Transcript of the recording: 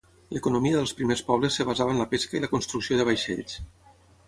L'economia dels primers pobles es basava en la pesca i la construcció de vaixells.